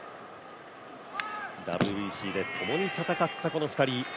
ＷＢＣで共に戦った、この２人。